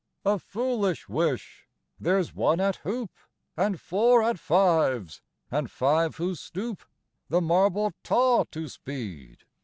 XIV. A foolish wish! There's one at hoop; And four at fives! and five who stoop The marble taw to speed!